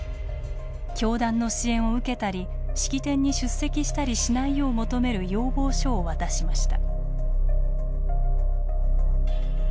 教団の支援を受けたり式典に出席したりしないよう求める要望書を渡しました。